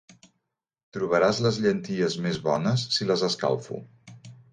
Trobaràs les llenties més bones si les escalfo.